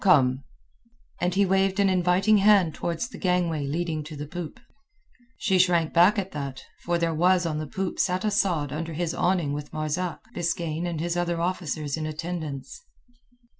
Come." And he waved an inviting hand towards the gangway leading to the poop. She shrank back at that, for there on the poop sat Asad under his awning with Marzak, Biskaine, and his other officers in attendance.